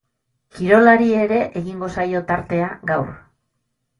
Kirolari ere egingo zaio tartea gaur.